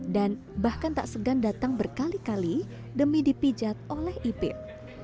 dan bahkan tak segan datang berkali kali demi dipijat oleh ipid